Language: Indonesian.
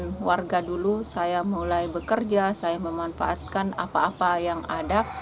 dan warga dulu saya mulai bekerja saya memanfaatkan apa apa yang ada